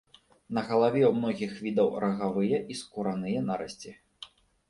На галаве ў многіх відаў рагавыя і скураныя нарасці.